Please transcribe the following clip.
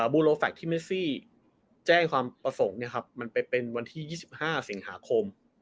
บูโลแฟคที่เมซี่แจ้งความประสงค์มันไปเป็นวันที่๒๕สิงหาคม